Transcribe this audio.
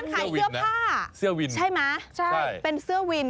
ขนาดซื้อวิ่นนะร้านขายเชื่อผ้า